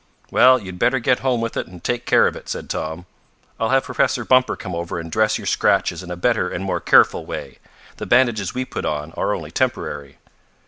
"Well, you'd better get home with it and take care of it," said Tom. "I'll have Professor Bumper come over and dress your scratches in a better and more careful way. The bandages we put on are only temporary."